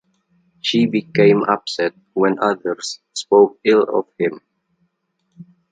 She became upset when others spoke ill of him.